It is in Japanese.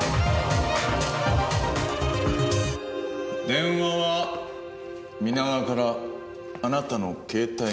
電話は皆川からあなたの携帯にかけられた。